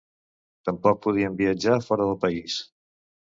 Tampoc podien viatjar fora del país.